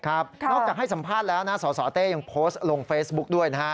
นอกจากให้สัมภาษณ์แล้วนะสสเต้ยังโพสต์ลงเฟซบุ๊กด้วยนะฮะ